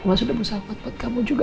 mama sudah berusaha kuat buat kamu juga